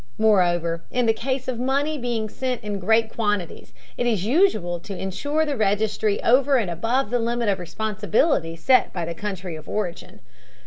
Moreover, in the case of money being sent in great quantities, it is usual to insure the registry over and above the limit of responsibility set by the country of origin.